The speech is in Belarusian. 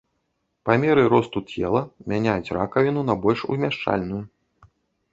Па меры росту цела мяняюць ракавіну на больш умяшчальную.